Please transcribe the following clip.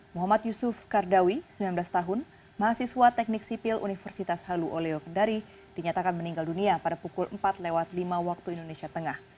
muhammad yusuf kardawi sembilan belas tahun mahasiswa teknik sipil universitas halu oleo kendari dinyatakan meninggal dunia pada pukul empat lewat lima waktu indonesia tengah